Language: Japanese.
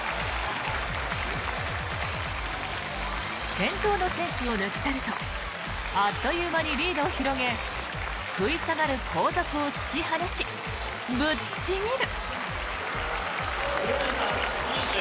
先頭の選手を抜き去るとあっという間にリードを広げ食い下がる後続を突き放しぶっちぎる。